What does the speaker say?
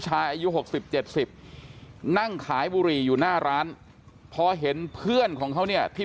อายุ๖๐๗๐นั่งขายบุหรี่อยู่หน้าร้านพอเห็นเพื่อนของเขาเนี่ยที่